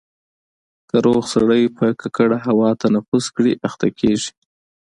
که روغ سړی په ککړه هوا تنفس کړي اخته کېږي.